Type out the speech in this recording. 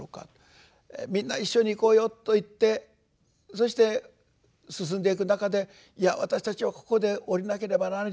「みんな一緒に行こうよ」と言ってそして進んでいく中で「いや私たちはここでおりなければなりません。